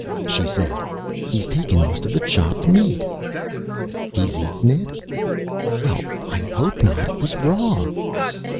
She said, "He's taken most of the chopped meat." "He's eaten it?" "Well, I hope not. It was raw."